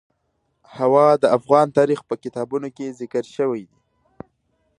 هوا د افغان تاریخ په کتابونو کې ذکر شوی دي.